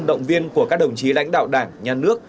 động viên của các đồng chí lãnh đạo đảng nhà nước